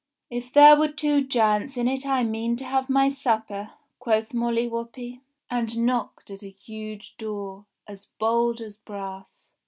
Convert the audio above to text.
"If there were two giants in it I mean to have my supper," quoth Molly Whuppie, and knocked at a huge door, as bold as brass.